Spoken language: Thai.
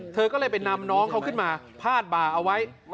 เธอก็เลยไปนำน้องเขาขึ้นมาพาดบ่าเอาไว้